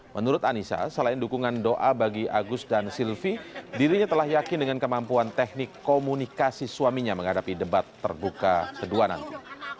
menurut anissa selain dukungan doa bagi agus dan silvi dirinya telah yakin dengan kemampuan teknik komunikasi suaminya menghadapi debat terbuka kedua nanti